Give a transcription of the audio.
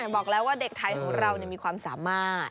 บอกแล้วว่าเด็กไทยของเรามีความสามารถ